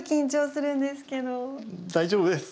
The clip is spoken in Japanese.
大丈夫です。